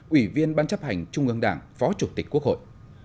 ủy viên ban chấp hành trung ương đảng phó chủ tịch quốc hội